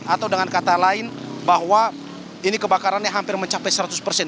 atau dengan kata lain bahwa ini kebakarannya hampir mencapai seratus persen